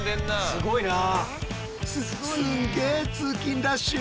すごいな。